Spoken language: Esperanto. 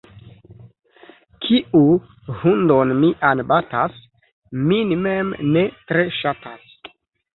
Kiu hundon mian batas, min mem ne tre ŝatas.